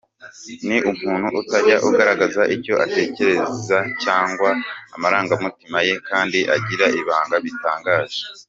Ni umuntu utajya ugaragaza icyo atekereza cyangwa amarangamutima ye kandi agira ibanga bitangaje.